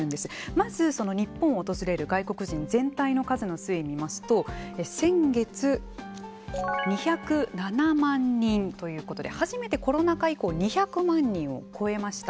まず、日本を訪れる外国人全体の数の推移を見ますと先月２０７万人ということで初めてコロナ禍以降２００万人を超えました。